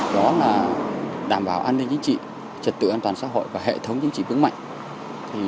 đó là đảm bảo an ninh chính trị trật tự an toàn xã hội và hệ thống chính trị vững mạnh